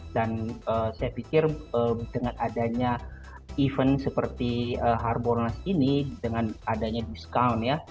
dan saya pikir dengan adanya event seperti harbol nas ini dengan adanya discount ya